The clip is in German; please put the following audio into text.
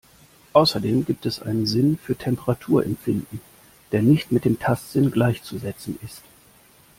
Außerdem gibt es einen Sinn für Temperaturempfinden, der nicht mit dem Tastsinn gleichzusetzen ist.